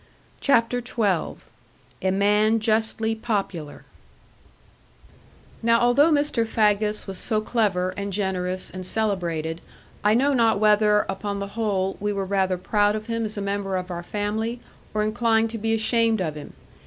CHAPTER XII A MAN JUSTLY POPULAR Now although Mr. Faggus was so clever, and generous, and celebrated, I know not whether, upon the whole, we were rather proud of him as a member of our family, or inclined to be ashamed of him.